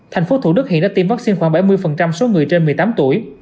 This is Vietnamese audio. thành phố thủ đức hiện đã tiêm vaccine khoảng bảy mươi số người trên một mươi tám tuổi